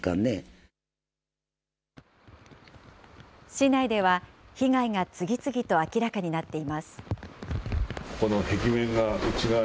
市内では被害が次々と明らかになっています。